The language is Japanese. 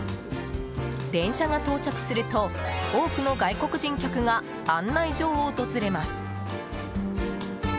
電車が到着すると多くの外国人客が案内所を訪れます。